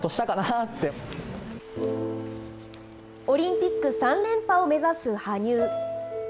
オリンピック３連覇を目指す羽生。